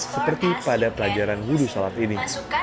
seperti pada pelajaran wudhu sholat ini